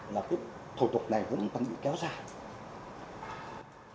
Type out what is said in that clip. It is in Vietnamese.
là cái thủ tục này vẫn còn bị kéo dài